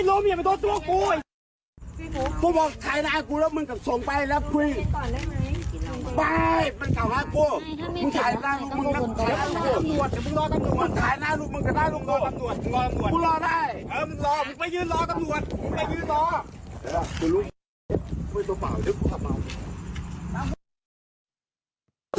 เออมึงรอผมไม่ยืนรอตำรวจ